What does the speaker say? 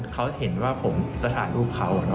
เขาเห็นว่าผมจะถ่ายรูปเขา